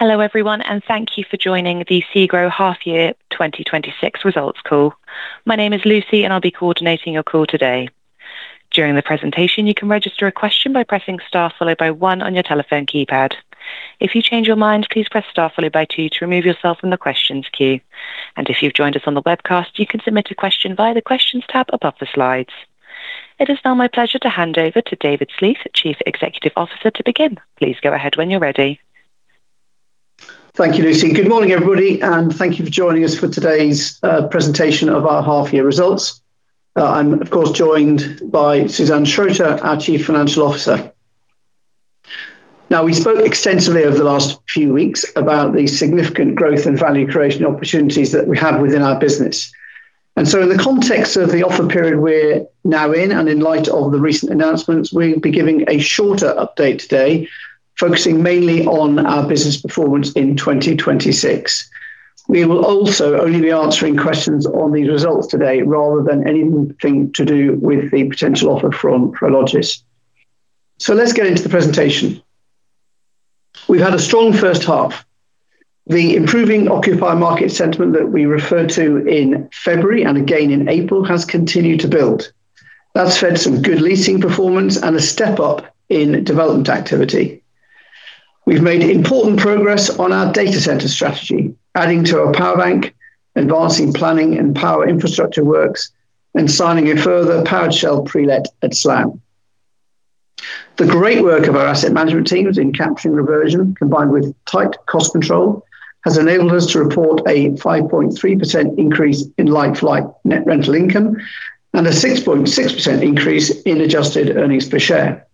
Everyone, thank you for joining the SEGRO half-year 2026 results call. My name is Lucy, and I will be coordinating your call today. During the presentation, you can register a question by pressing star followed by one on your telephone keypad. If you change your mind, please press star followed by two to remove yourself from the questions queue. If you have joined us on the webcast, you can submit a question via the Questions tab above the slides. It is now my pleasure to hand over to David Sleath, Chief Executive Officer, to begin. Please go ahead when you are ready. Thank you, Lucy. Good morning, everybody, and thank you for joining us for today's presentation of our half-year results. I am, of course, joined by Susanne Schroeter, our Chief Financial Officer. We spoke extensively over the last few weeks about the significant growth and value-creation opportunities that we have within our business. In the context of the offer period we are now in, and in light of the recent announcements, we will be giving a shorter update today, focusing mainly on our business performance in 2026. We will also only be answering questions on these results today rather than anything to do with the potential offer from Prologis. Let's get into the presentation. We have had a strong first half. The improving occupier market sentiment that we referred to in February and again in April has continued to build. That has fed some good leasing performance and a step up in development activity. We have made important progress on our data center strategy, adding to our power bank, advancing planning and power infrastructure works, and signing a further powered shell pre-let at SLAM. The great work of our asset management teams in capturing reversion, combined with tight cost control, has enabled us to report a 5.3% increase in like-for-like net rental income and a 6.6% increase in adjusted earnings per share.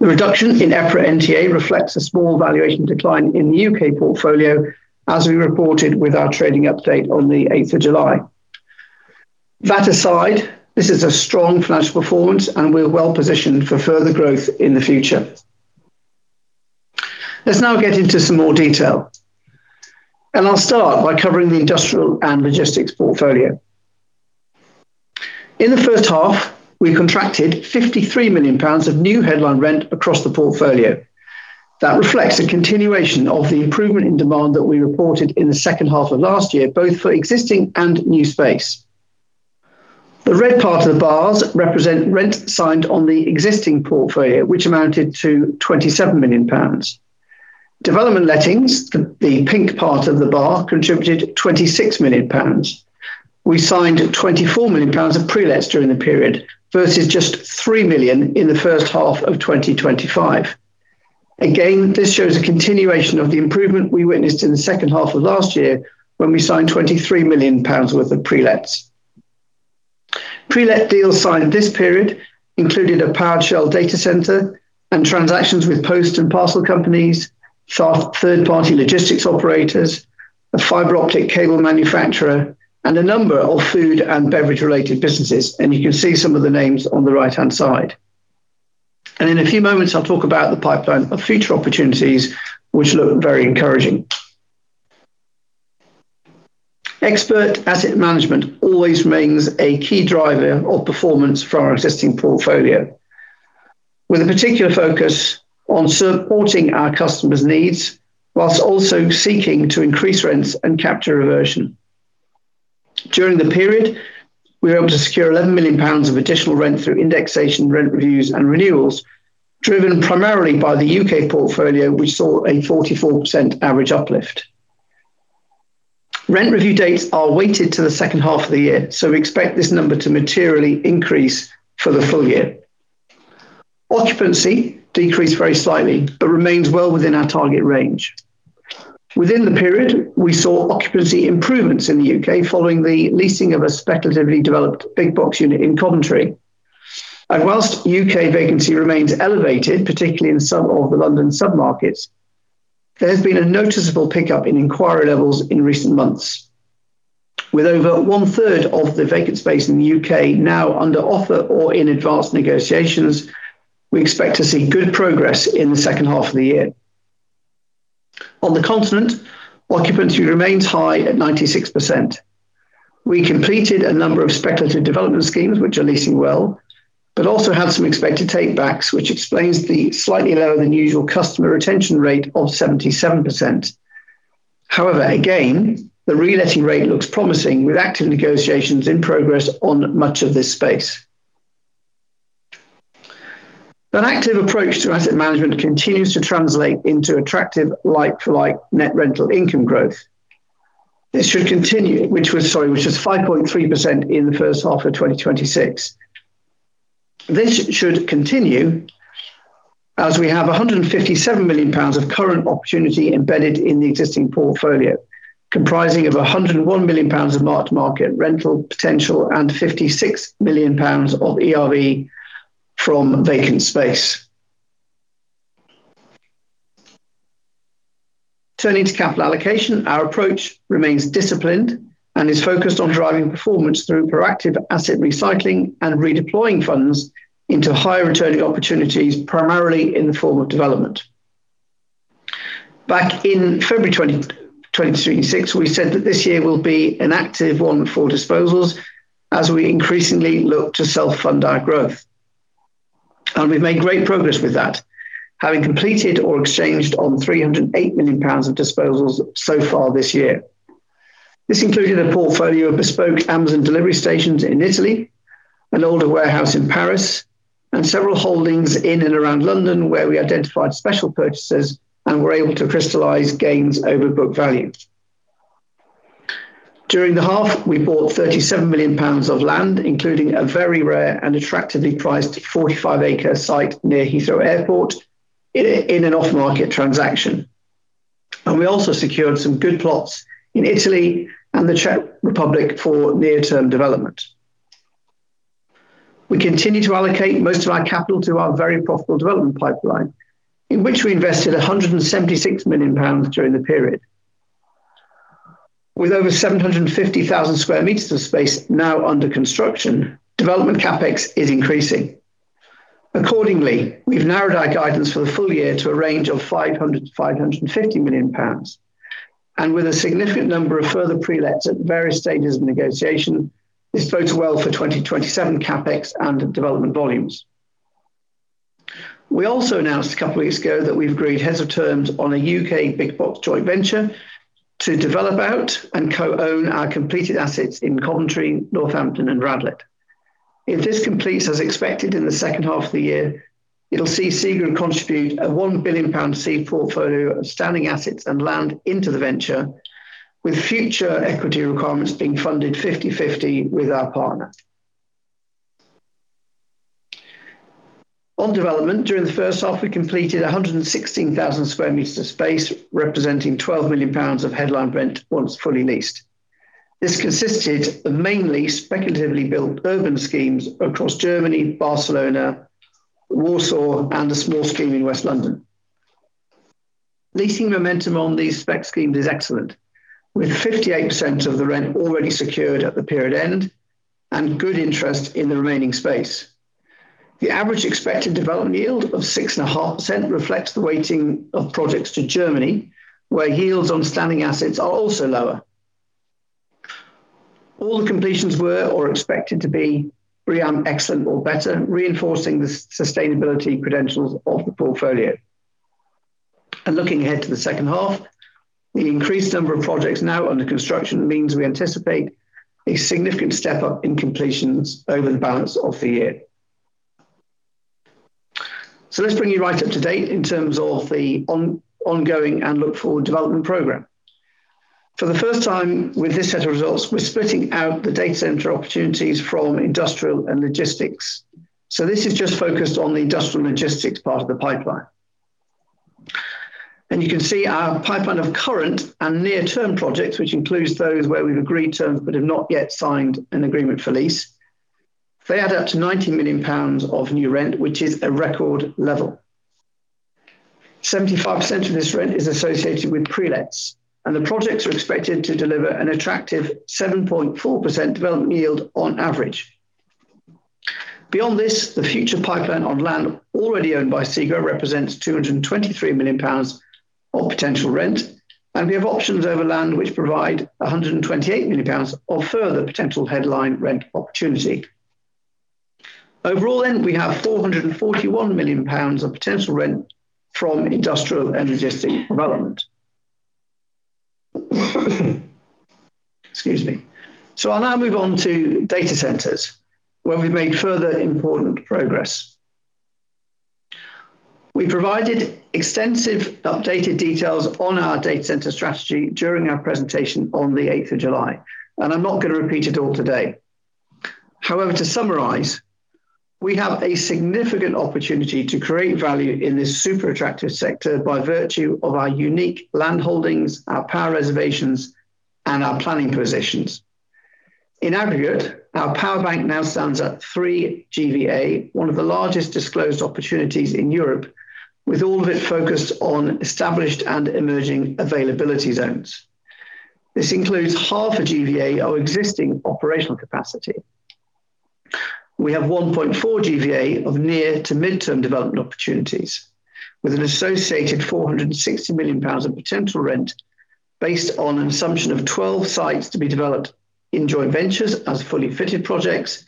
The reduction in EPRA NTA reflects a small valuation decline in the U.K. portfolio, as we reported with our trading update on the 8th of July. That aside, this is a strong financial performance, and we are well-positioned for further growth in the future. Let's now get into some more detail. I will start by covering the industrial and logistics portfolio. In the first half, we contracted GBP 53 million of new headline rent across the portfolio. That reflects a continuation of the improvement in demand that we reported in the second half of last year, both for existing and new space. The red part of the bars represents rent signed on the existing portfolio, which amounted to GBP 27 million. Development lettings, the pink part of the bar, contributed GBP 26 million. We signed GBP 24 million of pre-lets during the period versus just GBP 3 million in the first half of 2025. Again, this shows a continuation of the improvement we witnessed in the second half of last year when we signed 23 million pounds worth of pre-lets. Pre-let deals signed this period included a powered-shell data center and transactions with post and parcel companies, third-party logistics operators, a fiber optic cable manufacturer, and a number of food and beverage-related businesses; you can see some of the names on the right-hand side. In a few moments, I'll talk about the pipeline of future opportunities, which look very encouraging. Expert asset management always remains a key driver of performance for our existing portfolio. With a particular focus on supporting our customers' needs whilst also seeking to increase rents and capture reversion. During the period, we were able to secure 11 million pounds of additional rent through indexation rent reviews and renewals, driven primarily by the U.K. portfolio, which saw a 44% average uplift. Rent review dates are weighted to the second half of the year, we expect this number to materially increase for the full year. Occupancy decreased very slightly but remains well within our target range. Within the period, we saw occupancy improvements in the U.K. following the leasing of a speculatively developed big-box unit in Coventry. Whilst U.K. vacancy remains elevated, particularly in some of the London submarkets, there's been a noticeable pickup in inquiry levels in recent months. With over 1/3 of the vacant space in the U.K. now under offer or in advanced negotiations, we expect to see good progress in the second half of the year. On the continent, occupancy remains high at 96%. We completed a number of speculative development schemes, which are leasing well, but also had some expected take-backs, which explains the slightly lower than usual customer retention rate of 77%. However, again, the reletting rate looks promising with active negotiations in progress on much of this space. An active approach to asset management continues to translate into attractive like-for-like net rental income growth. This should continue, which was, sorry, which was 5.3% in the first half of 2026. This should continue, as we have 157 million pounds of current opportunity embedded in the existing portfolio, comprising of 101 million pounds of marked market rental potential and 56 million pounds of ERV from vacant space. Turning to capital allocation, our approach remains disciplined and is focused on driving performance through proactive asset recycling and redeploying funds into higher-returning opportunities, primarily in the form of development. Back in February 2026, we said that this year will be an active one for disposals as we increasingly look to self-fund our growth. We've made great progress with that, having completed or exchanged on 308 million pounds of disposals so far this year. This included a portfolio of bespoke Amazon delivery stations in Italy, an older warehouse in Paris, and several holdings in and around London where we identified special purchasers and were able to crystallize gains over book value. During the half, we bought 37 million pounds of land, including a very rare and attractively priced 45-acre site near Heathrow Airport, in an off-market transaction. We also secured some good plots in Italy and the Czech Republic for near-term development. We continue to allocate most of our capital to our very profitable development pipeline, in which we invested 176 million pounds during the period. With over 750,000 sq m of space now under construction, development CapEx is increasing. Accordingly, we've narrowed our guidance for the full year to a range of 500 million-550 million pounds, and with a significant number of further prelets at various stages of negotiation, this bodes well for 2027 CapEx and development volumes. We also announced a couple of weeks ago that we've agreed heads of terms on a U.K. big-box joint venture to develop out and co-own our completed assets in Coventry, Northampton, and Radlett. If this completes as expected in the second half of the year, it'll see SEGRO contribute a 1 billion pound seed portfolio of standing assets and land into the venture, with future equity requirements being funded 50/50 with our partner. On development, during the first half, we completed 116,000 sq m of space, representing 12 million pounds of headline rent once fully leased. This consisted mainly of speculatively built urban schemes across Germany, Barcelona, Warsaw, and a small scheme in West London. Leasing momentum on these spec schemes is excellent, with 58% of the rent already secured at the period end, and good interest in the remaining space. The average expected development yield of 6.5% reflects the weighting of projects to Germany, where yields on standing assets are also lower. All the completions were, or expected to be, BREEAM excellent or better, reinforcing the sustainability credentials of the portfolio. Looking ahead to the second half, the increased number of projects now under construction means we anticipate a significant step up in completions over the balance of the year. So let's bring you right up to date in terms of the ongoing and look-forward development program. For the first time with this set of results, we're splitting out the data center opportunities from industrial and logistics. This is just focused on the industrial and logistics part of the pipeline. You can see our pipeline of current and near-term projects, which includes those where we've agreed terms but have not yet signed an agreement for lease. They add up to 90 million pounds of new rent, which is a record level. 75% of this rent is associated with prelets, and the projects are expected to deliver an attractive 7.4% development yield on average. Beyond this, the future pipeline on land already owned by SEGRO represents 223 million pounds of potential rent, and we have options over land which provide 128 million pounds of further potential headline rent opportunity. Overall then, we have 441 million pounds of potential rent from industrial and logistics development. Excuse me. I'll now move on to data centers, where we've made further important progress. We provided extensive updated details on our data center strategy during our presentation on the 8th of July, and I'm not going to repeat it all today. However, to summarize, we have a significant opportunity to create value in this super attractive sector by virtue of our unique land holdings, our power reservations, and our planning positions. In aggregate, our power bank now stands at 3 GVA, one of the largest disclosed opportunities in Europe, with all of it focused on established and emerging availability zones. This includes half a GVA of existing operational capacity. We have 1.4 GVA of near-to-mid-term development opportunities, with an associated 460 million pounds of potential rent based on an assumption of 12 sites to be developed in joint ventures as fully fitted projects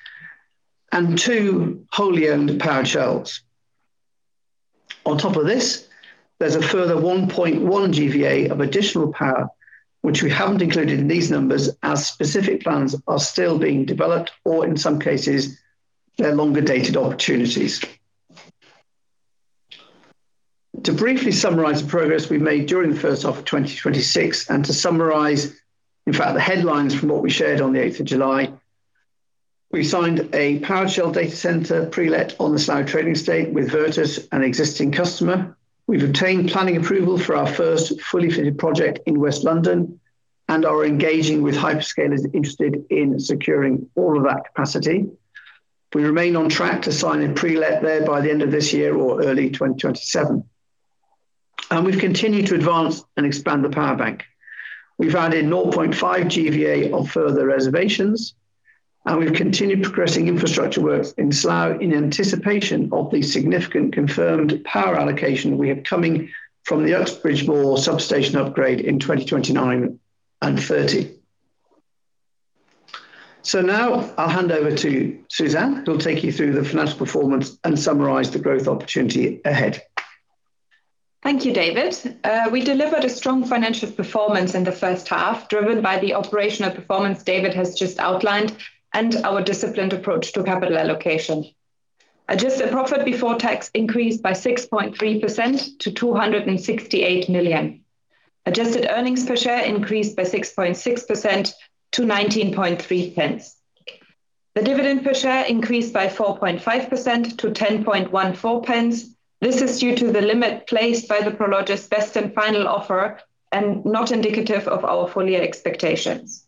and two wholly owned power shells. On top of this, there is a further 1.1 GVA of additional power, which we haven't included in these numbers as specific plans are still being developed, or in some cases, they are longer-dated opportunities. To briefly summarize the progress we made during the first half of 2026 and to summarize, in fact, the headlines from what we shared on the 8th of July, we signed a power shell data center prelet on the Slough Trading Estate with VIRTUS, an existing customer. We have obtained planning approval for our first fully fitted project in West London and are engaging with hyperscalers interested in securing all of that capacity. We remain on track to sign and prelet there by the end of this year or early 2027. We have continued to advance and expand the power bank. We have added 0.5 GVA of further reservations, and we have continued progressing infrastructure works in Slough in anticipation of the significant confirmed power allocation we have coming from the Uxbridge Moor substation upgrade in 2029 and 2030. Now I will hand over to Susanne, who will take you through the financial performance and summarize the growth opportunity ahead. Thank you, David. We delivered a strong financial performance in the first half, driven by the operational performance David has just outlined and our disciplined approach to capital allocation. Adjusted profit before tax increased by 6.3% to 268 million. Adjusted earnings per share increased by 6.6% to 0.193. The dividend per share increased by 4.5% to 0.1014. This is due to the limit placed by the Prologis best and final offer, and not indicative of our full-year expectations.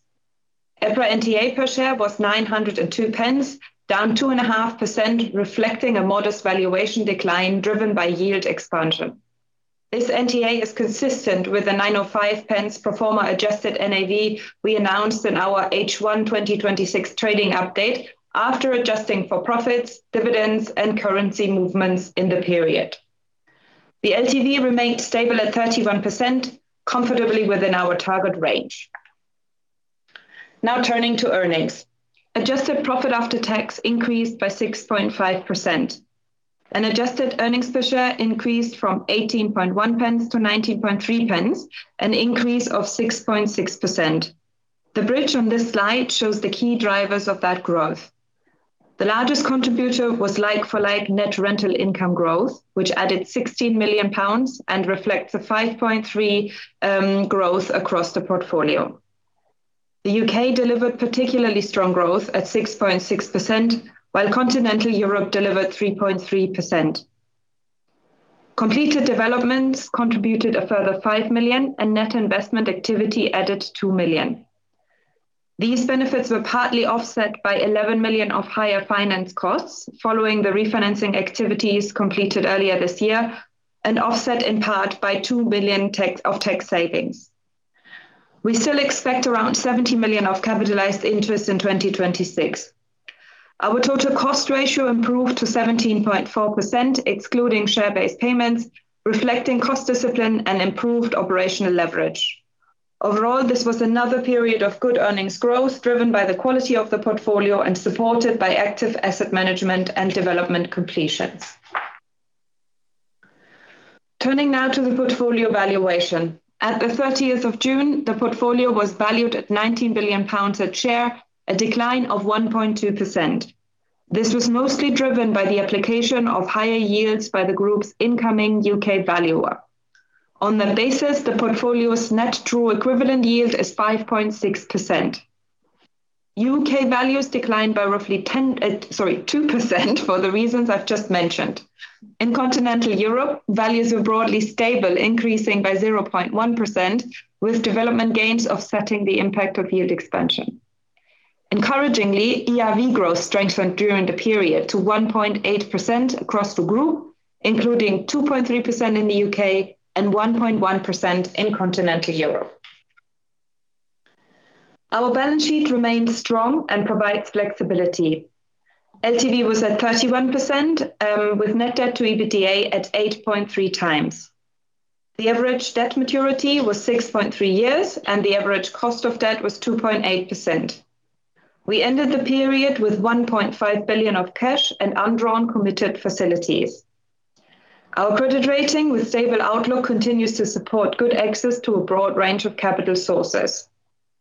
EPRA NTA per share was 9.02, down 2.5%, reflecting a modest valuation decline driven by yield expansion. This NTA is consistent with the 9.05 pro forma adjusted NAV we announced in our H1 2026 trading update after adjusting for profits, dividends, and currency movements in the period. The LTV remained stable at 31%, comfortably within our target range. Turning to earnings. Adjusted profit after tax increased by 6.5%. Adjusted earnings per share increased from 0.181 to 0.193, an increase of 6.6%. The bridge on this slide shows the key drivers of that growth. The largest contributor was like-for-like net rental income growth, which added 16 million pounds and reflects a 5.3% growth across the portfolio. The U.K. delivered particularly strong growth at 6.6%, while Continental Europe delivered 3.3%. Completed developments contributed a further 5 million, and net investment activity added 2 million. These benefits were partly offset by 11 million of higher finance costs following the refinancing activities completed earlier this year, and offset in part by 2 million of tax savings. We still expect around 70 million of capitalized interest in 2026. Our total cost ratio improved to 17.4%, excluding share-based payments, reflecting cost discipline and improved operational leverage. Overall, this was another period of good earnings growth, driven by the quality of the portfolio and supported by active asset management and development completions. Turning now to the portfolio valuation. At the 30th of June, the portfolio was valued at 19 billion pounds a share, a decline of 1.2%. This was mostly driven by the application of higher yields by the group's incoming U.K. valuer. On that basis, the portfolio's net true equivalent yield is 5.6%. U.K. values declined by roughly 2% for the reasons I've just mentioned. In Continental Europe, values are broadly stable, increasing by 0.1%, with development gains offsetting the impact of yield expansion. Encouragingly, ERV growth strengthened during the period to 1.8% across the group, including 2.3% in the U.K. and 1.1% in Continental Europe. Our balance sheet remains strong and provides flexibility. LTV was at 31%, with net debt to EBITDA at 8.3x. The average debt maturity was six point three years, and the average cost of debt was 2.8%. We ended the period with 1.5 billion of cash and undrawn committed facilities. Our credit rating with stable outlook continues to support good access to a broad range of capital sources.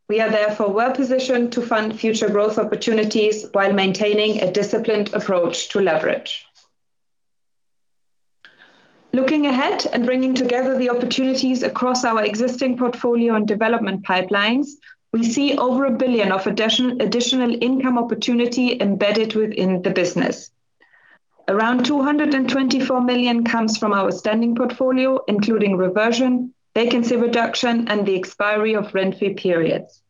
We are therefore well-positioned to fund future growth opportunities while maintaining a disciplined approach to leverage. Looking ahead and bringing together the opportunities across our existing portfolio and development pipelines, we see over 1 billion of additional income opportunity embedded within the business. Around 224 million comes from our standing portfolio, including reversion, vacancy reduction, and the expiry of rent-free periods.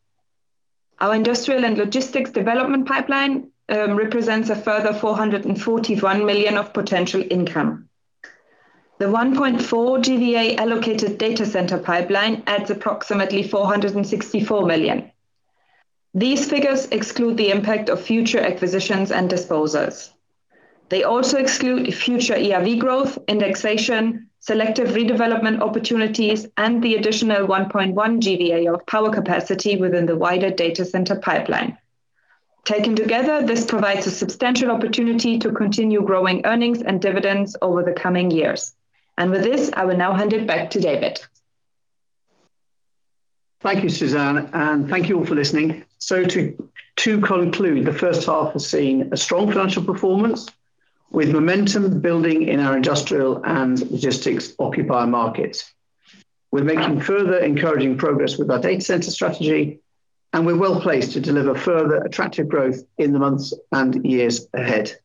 Our industrial and logistics development pipeline represents a further 441 million of potential income. The 1.4 GVA allocated data center pipeline adds approximately 464 million. These figures exclude the impact of future acquisitions and disposals. They also exclude future ERV growth, indexation, selective redevelopment opportunities, and the additional 1.1 GVA of power capacity within the wider data center pipeline. Taken together, this provides a substantial opportunity to continue growing earnings and dividends over the coming years. With this, I will now hand it back to David. Thank you, Susanne, and thank you all for listening. To conclude, the first half has seen a strong financial performance with momentum building in our industrial and logistics occupier markets. We're making further encouraging progress with our data center strategy, and we're well-placed to deliver further attractive growth in the months and years ahead.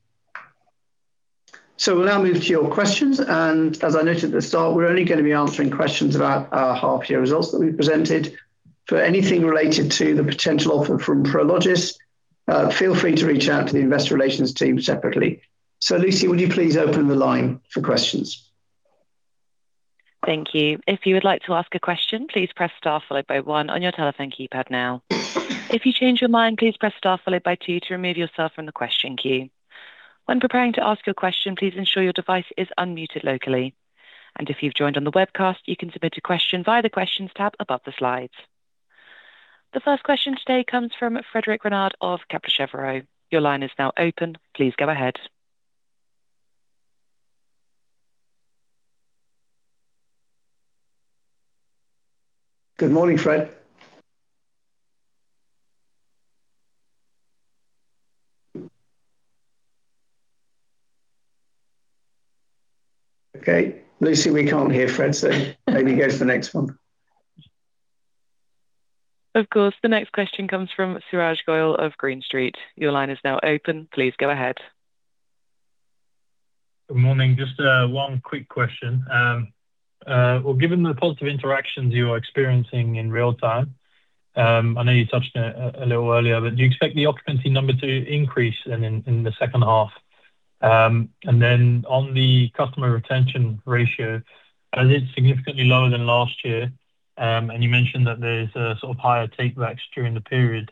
We'll now move to your questions, and as I noted at the start, we're only going to be answering questions about our half-year results that we presented. For anything related to the potential offer from Prologis, feel free to reach out to the investor relations team separately. Lucy, will you please open the line for questions? Thank you. If you would like to ask a question, please press star followed by one on your telephone keypad now. If you change your mind, please press star followed by two to remove yourself from the question queue. When preparing to ask your question, please ensure your device is unmuted locally. If you've joined on the webcast, you can submit a question via the Questions tab above the slides. The first question today comes from Frederic Renard of Kepler Cheuvreux. Your line is now open. Please go ahead. Good morning, Fred. Okay, Lucy, we can't hear Fred, maybe go to the next one. Of course. The next question comes from Suraj Goyal of Green Street. Your line is now open. Please go ahead. Good morning. Just one quick question. Given the positive interactions you are experiencing in real time, I know you touched on it a little earlier, do you expect the occupancy number to increase in the second half? On the customer retention ratio, as it's significantly lower than last year, you mentioned that there's a sort of higher take-backs during the period,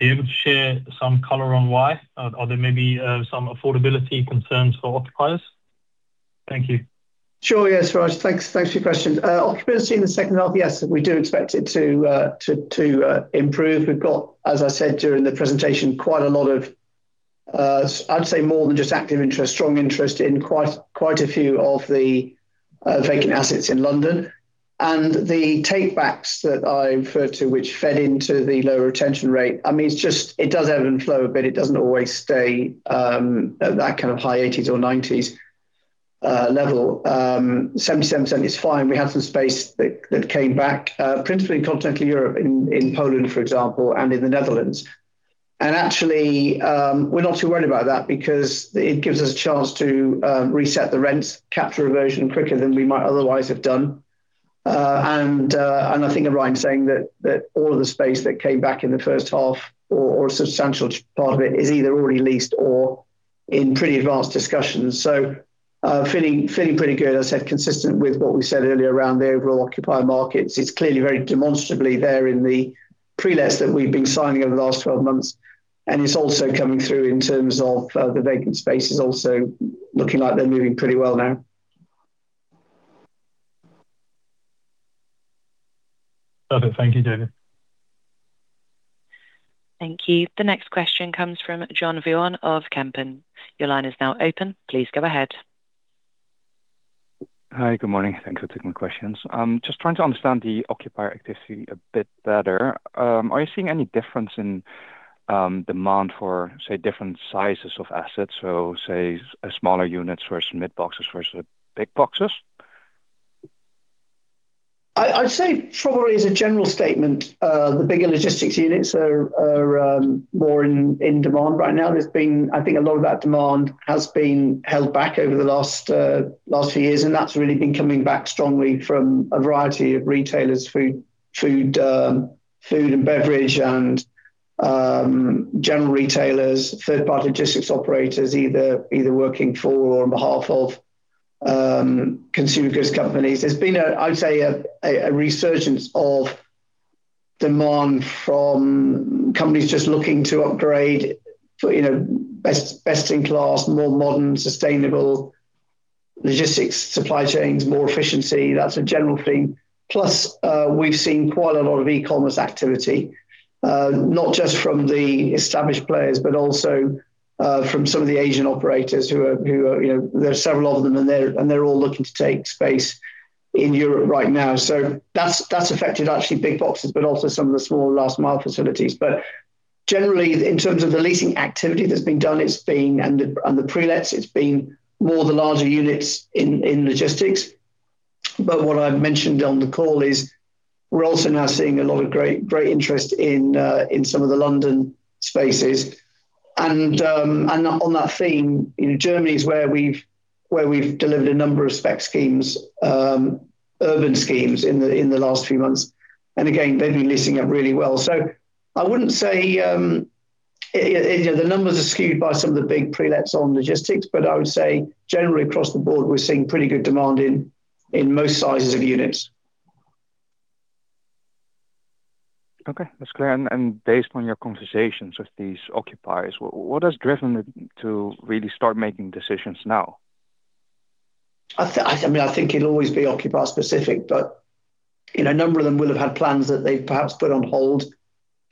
are you able to share some color on why? Are there maybe some affordability concerns for occupiers? Thank you. Sure, yes, Suraj. Thanks for your questions. Occupancy in the second half, yes, we do expect it to improve. We've got, as I said during the presentation, quite a lot of- I'd say more than just active interest, strong interest in quite a few of the vacant assets in London. The take-backs that I referred to, which fed into the low retention rate, it does ebb and flow a bit. It doesn't always stay at that kind of high 80s or 90s level. 77% is fine. We had some space that came back, principally in continental Europe, in Poland, for example, and in the Netherlands. Actually, we're not too worried about that because it gives us a chance to reset the rents, capture erosion quicker than we might otherwise have done. I think that Ryan's saying that all of the space that came back in the first half, or a substantial part of it, is either already leased or in pretty advanced discussions. Feeling pretty good, I said, consistent with what we said earlier around the overall occupier markets. It's clearly very demonstrably there in the prelets that we've been signing over the last 12 months. It's also coming through in terms of the vacant spaces also looking like they're moving pretty well now. Perfect. Thank you, David. Thank you. The next question comes from John Vuong of Kempen. Your line is now open. Please go ahead. Hi, good morning. Thanks for taking my questions. Just trying to understand the occupier activity a bit better. Are you seeing any difference in demand for, say, different sizes of assets? Say, smaller units versus mid boxes versus big boxes. I'd say probably, as a general statement, the bigger logistics units are more in demand right now. I think a lot of that demand has been held back over the last few years; that's really been coming back strongly from a variety of retailers, food and beverage and general retailers, third-party logistics operators, either working for or on behalf of consumer goods companies. There's been, I'd say, a resurgence of demand from companies just looking to upgrade for best-in-class, more modern, sustainable logistics supply chains, more efficiency. That's a general theme. Plus, we've seen quite a lot of e-commerce activity, not just from the established players, but also from some of the Asian operators. There are several of them, they're all looking to take space in Europe right now. That's affected actually big boxes, but also some of the small last-mile facilities. Generally, in terms of the leasing activity that's been done and the prelets, it's been more the larger units in logistics. What I've mentioned on the call is we're also now seeing a lot of great interest in some of the London spaces. On that theme, Germany is where we've delivered a number of spec schemes, urban schemes in the last few months. Again, they've been leasing up really well. I wouldn't say the numbers are skewed by some of the big prelets on logistics, but I would say generally across the board, we're seeing pretty good demand in most sizes of units. Okay, that's clear. Based on your conversations with these occupiers, what has driven them to really start making decisions now? I think it'll always be occupier-specific; a number of them will have had plans that they've perhaps put on hold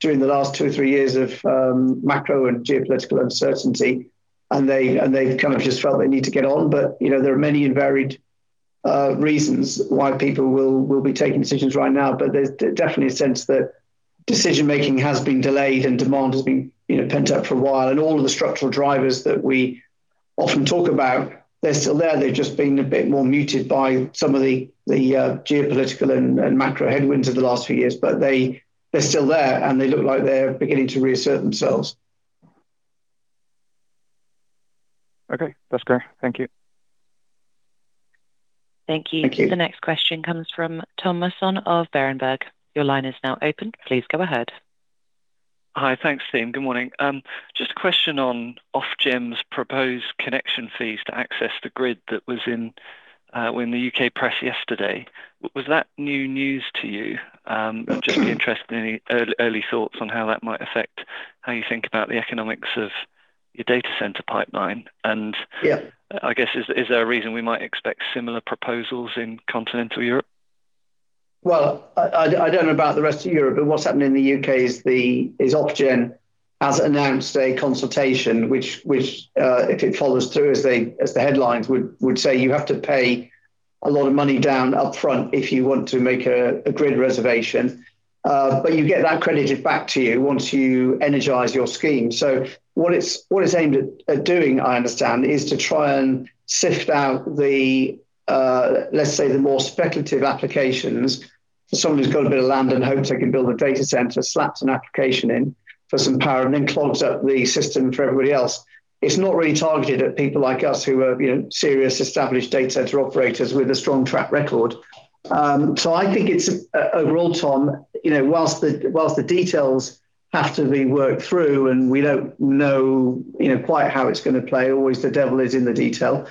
during the last two or three years of macro and geopolitical uncertainty, and they've kind of just felt they need to get on. There are many and varied reasons why people will be taking decisions right now. There's definitely a sense that decision-making has been delayed and demand has been pent up for a while. All of the structural drivers that we often talk about, they're still there. They've just been a bit more muted by some of the geopolitical and macro headwinds of the last few years, they're still there, and they look like they're beginning to reassert themselves. Okay, that's clear. Thank you. Thank you. Thank you. The next question comes from Tom Musson of Berenberg. Your line is now open. Please go ahead. Hi. Thanks, team. Good morning. Just a question on Ofgem's proposed connection fees to access the grid that was in when the U.K. press yesterday. Was that new news to you? I'm just interested in any early thoughts on how that might affect how you think about the economics of your data center pipeline. Yeah. I guess, is there a reason we might expect similar proposals in continental Europe? Well, I don't know about the rest of Europe, what's happening in the U.K. is Ofgem has announced a consultation, which, if it follows through as the headlines would say, you have to pay a lot of money down upfront if you want to make a grid reservation. You get that credited back to you once you energize your scheme. What it's aimed at doing, I understand, is to try and sift out, let's say, the more speculative applications for someone who's got a bit of land and hopes they can build a data center, slaps an application in for some power, and then clogs up the system for everybody else. It's not really targeted at people like us who are serious, established data center operators with a strong track record. I think it's, overall, Tom, whilst the details have to be worked through and we don't know quite how it's going to play, always the devil is in the detail,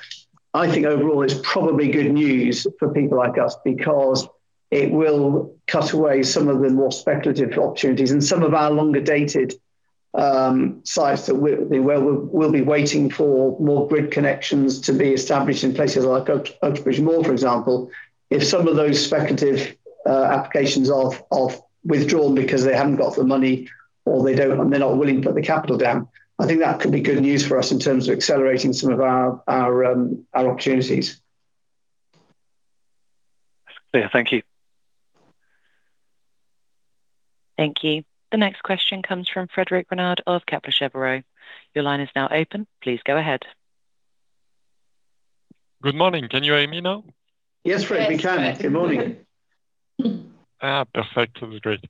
I think overall, it's probably good news for people like us because it will cut away some of the more speculative opportunities and some of our longer-dated sites where we'll be waiting for more grid connections to be established in places like Uxbridge Moor, for example. If some of those speculative applications are withdrawn because they haven't got the money, or they're not willing to put the capital down, I think that could be good news for us in terms of accelerating some of our opportunities. Clear. Thank you. Thank you. The next question comes from Frederic Renard of Kepler Cheuvreux. Your line is now open. Please go ahead. Good morning. Can you hear me now? Yes, Fred, we can. Good morning. Yes, Fred. Perfect. That's great.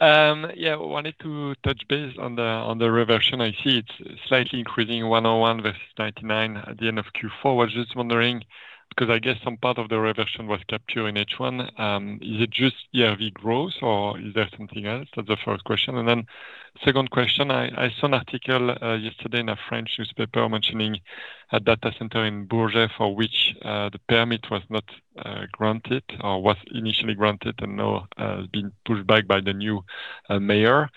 Wanted to touch base on the reversion. I see it's slightly increasing, 101 versus 99 at the end of Q4. Was just wondering, because I guess some part of the reversion was captured in H1. Is it just ERV growth, or is there something else? That's the first question. Second question, I saw an article yesterday in a French newspaper mentioning a data center in Le Bourget for which the permit was not granted, or was initially granted and now has been pushed back by the new mayor.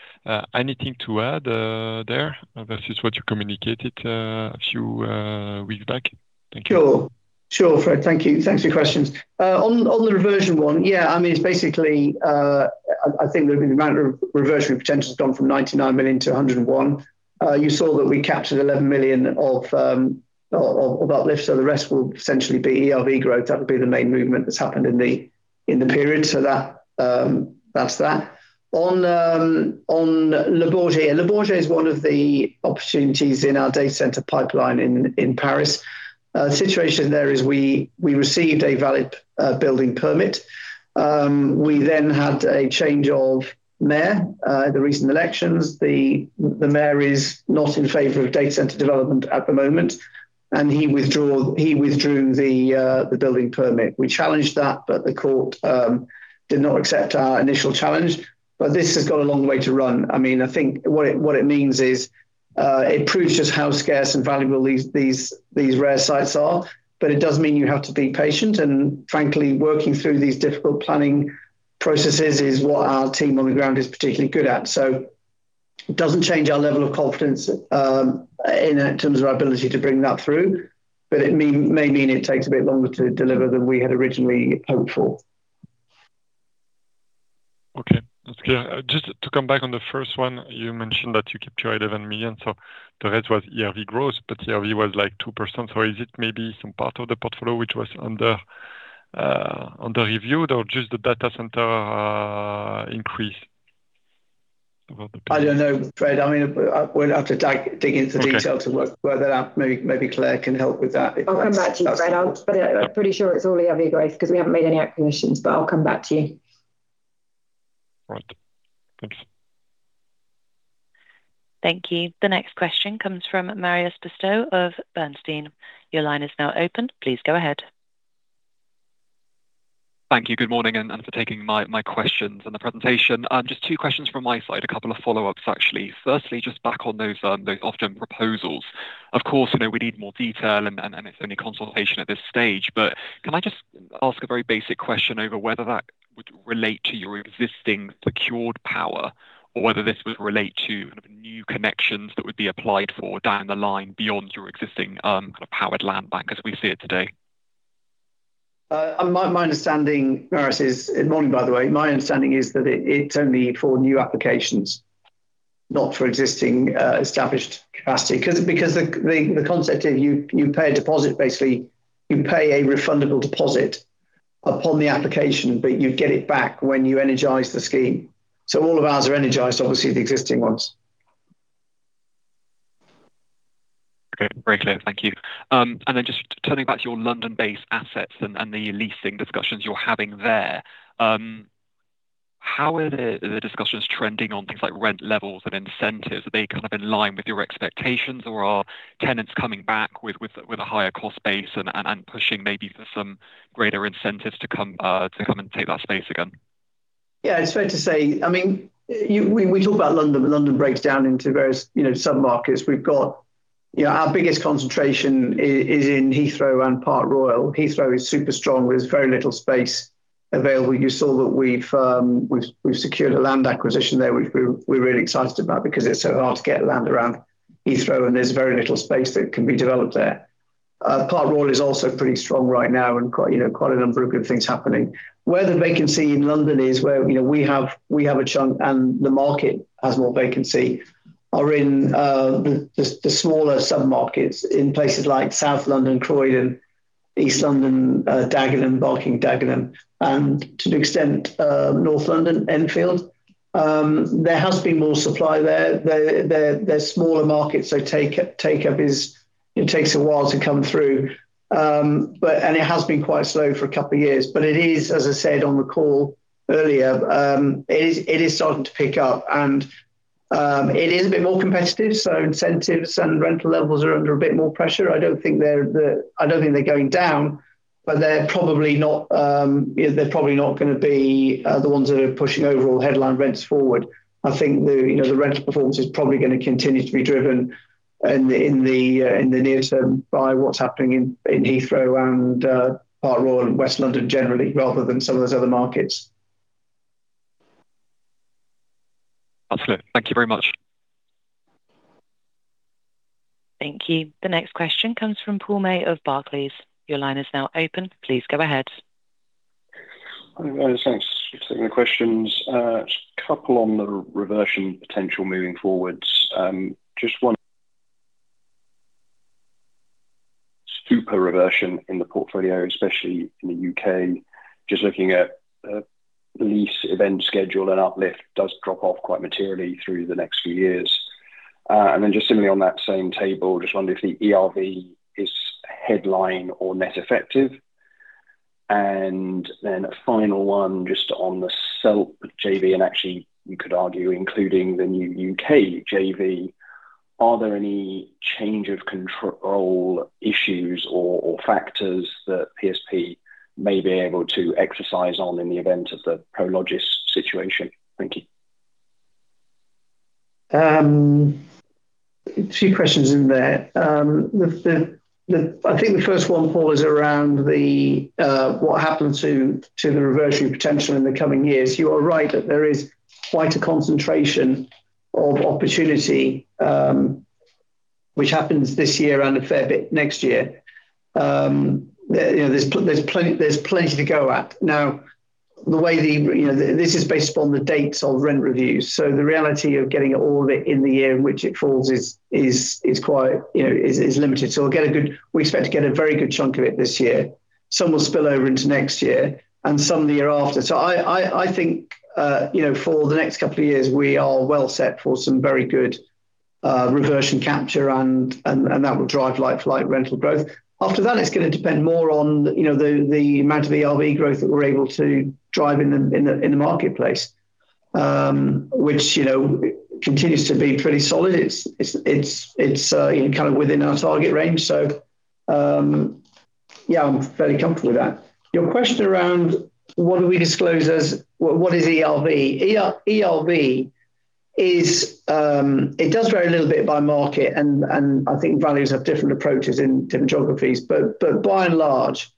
Anything to add there versus what you communicated a few weeks back? Thank you. Sure. Fred, thank you. Thanks for your questions. On the reversion one, I mean, it's basically, I think the amount of reversion potential has gone from 99 million to 101. You saw that we captured 11 million of uplift, the rest will essentially be ERV growth. That would be the main movement that's happened in the period. That's that. On Le Bourget. Le Bourget is one of the opportunities in our data center pipeline in Paris. The situation there is we received a valid building permit. We had a change of mayor in the recent elections. The mayor is not in favor of data center development at the moment, and he withdrew the building permit. We challenged that, but the court did not accept our initial challenge. This has got a long way to run. I think what it means is, it proves just how scarce and valuable these rare sites are, but it does mean you have to be patient. Frankly, working through these difficult planning processes is what our team on the ground is particularly good at. It doesn't change our level of confidence in terms of our ability to bring that through. It may mean it takes a bit longer to deliver than we had originally hoped for. Okay, that's clear. Just to come back on the first one, you mentioned that you kept your 11 million, the rest was ERV growth. ERV was, like, 2%. Is it maybe some part of the portfolio which was under review or just the data center increase? I don't know, Fred. We'll have to dig into. Okay. The detail to work that out. Maybe Claire can help with that if that's. I'll come back to you, Fred. That's helpful. I'm pretty sure it's all ERV growth because we haven't made any acquisitions, but I'll come back to you. Right. Thanks. Thank you. The next question comes from Marios Pastou of Bernstein. Your line is now open. Please go ahead. Thank you. Good morning, and for taking my questions and the presentation. Just two questions from my side. A couple of follow-ups, actually. Firstly, just back on those Ofgem proposals. Of course, we need more detail, and it's only consultation at this stage, but can I just ask a very basic question over whether that would relate to your existing secured power or whether this would relate to new connections that would be applied for down the line beyond your existing powered land bank as we see it today? My understanding, Marios, Good morning, by the way. My understanding is that it's only for new applications, not for existing established capacity. Because the concept is you pay a deposit, basically, you pay a refundable deposit upon the application, but you get it back when you energize the scheme. All of ours are energized, obviously, the existing ones. Okay. Very clear. Thank you. Then just turning back to your London-based assets and the leasing discussions you're having there. How are the discussions trending on things like rent levels and incentives? Are they in line with your expectations, or are tenants coming back with a higher cost base and pushing maybe for some greater incentives to come and take that space again? Yeah, it's fair to say. We talk about London, but London breaks down into various sub-markets. Our biggest concentration is in Heathrow and Park Royal. Heathrow is super strong with very little space available. You saw that we've secured a land acquisition there, which we're really excited about because it's so hard to get land around Heathrow, and there's very little space that can be developed there. Park Royal is also pretty strong right now and quite a number of good things happening. Where the vacancy in London is, where we have a chunk, and the market has more vacancy, are in the smaller sub-markets in places like South London, Croydon, East London, Dagenham, Barking, Dagenham, and to an extent, North London, Enfield. There has to be more supply there. They're smaller markets, so it takes a while to come through, and it has been quite slow for a couple of years. It is, as I said on the call earlier, it is starting to pick up, and it is a bit more competitive, so incentives and rental levels are under a bit more pressure. I don't think they're going down, but they're probably not going to be the ones that are pushing overall headline rents forward. I think the rental performance is probably going to continue to be driven in the near term by what's happening in Heathrow and Park Royal and West London generally, rather than some of those other markets. Absolutely. Thank you very much. Thank you. The next question comes from Paul May of Barclays. Your line is now open. Please go ahead. Thanks for taking the questions. Just a couple on the reversion potential moving forward. Just one super reversion in the portfolio, especially in the U.K. Just looking at the lease event schedule, and uplift does drop off quite materially through the next few years. Just similarly on that same table, just wonder if the ERV is headline or net effective? A final one just on the SELP JV, and actually you could argue including the new U.K. JV, are there any change of control issues or factors that PSP may be able to exercise on in the event of the Prologis situation? Thank you. A few questions in there. I think the first one, Paul, is around what happened to the reversion potential in the coming years. You are right that there is quite a concentration of opportunity which happens this year and a fair bit next year. There's plenty to go at. This is based upon the dates of rent reviews, so the reality of getting all of it in the year in which it falls is limited. We expect to get a very good chunk of it this year. Some will spill over into next year and some the year after. I think, for the next couple of years, we are well set for some very good reversion capture, and that will drive like-for-like rental growth. After that, it's going to depend more on the amount of ERV growth that we're able to drive in the marketplace, which continues to be pretty solid. It's within our target range. Yeah, I'm fairly comfortable with that. Your question around what do we disclose as, what is ERV? ERV, it does vary a little bit by market, and I think values have different approaches in different geographies. By and large,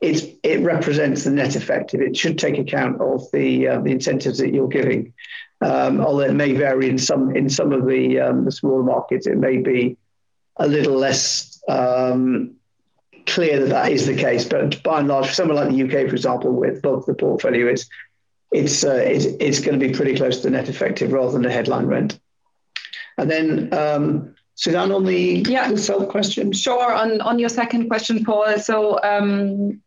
it represents the net effect, and it should take account of the incentives that you're giving. Although it may vary in some of the smaller markets, it may be a little less clear that that is the case. By and large, for somewhere like the U.K., for example, with both the portfolio, it's going to be pretty close to the net effective rather than the headline rent. Susanne, on the- Yeah. SELP question. Sure. On your second question, Paul,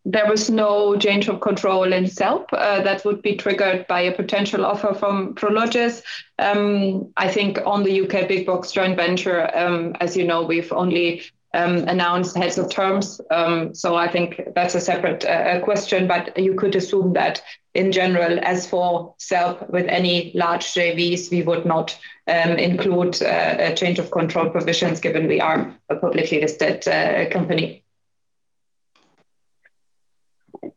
there was no change of control in SELP that would be triggered by a potential offer from Prologis. I think on the U.K. big box joint venture, as you know, we've only announced heads of terms. I think that's a separate question. You could assume that in general, as for SELP, with any large JVs, we would not include change of control provisions given we are a publicly listed company.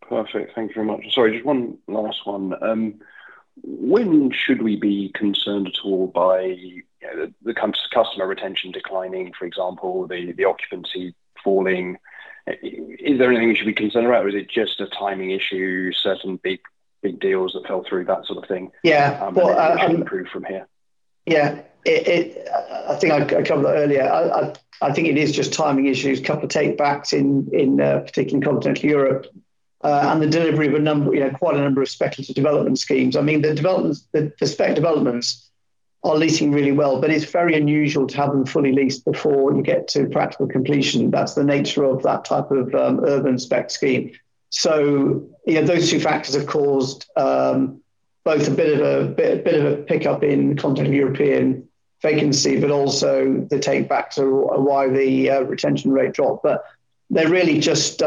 Perfect. Thank you very much. Sorry, just one last one. When should we be concerned at all by the customer retention declining, for example, the occupancy falling? Is there anything we should be concerned about, or is it just a timing issue, certain big deals that fell through, that sort of thing? Yeah. Should improve from here. Yeah. I think I covered that earlier. I think it is just timing issues, a couple of take-backs in particular in continental Europe, and the delivery of quite a number of specialty development schemes. The spec developments are leasing really well, but it's very unusual to have them fully leased before you get to practical completion. That's the nature of that type of urban spec scheme. Those two factors have caused both a bit of a pickup in continental European vacancy, but also the take-backs are why the retention rate dropped. They're just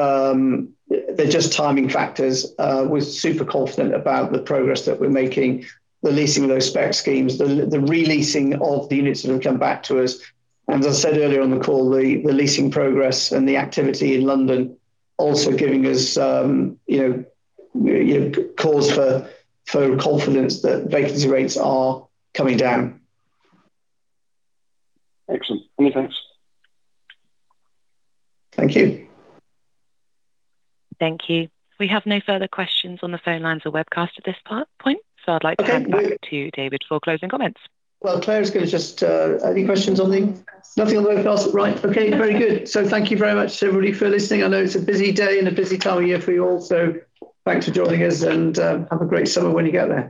timing factors. We're super confident about the progress that we're making, the leasing of those spec schemes, the re-leasing of the units that have come back to us. As I said earlier on the call, the leasing progress and the activity in London are also giving us cause for confidence that vacancy rates are coming down. Excellent. Many thanks. Thank you. Thank you. We have no further questions on the phone lines or webcast at this point. Okay. I'd like to hand back to David for closing comments. Well, any questions on the- Nothing. Nothing on the webcast? Right. Okay, very good. Thank you very much, everybody, for listening. I know it's a busy day and a busy time of year for you all, so thanks for joining us and have a great summer when you get there.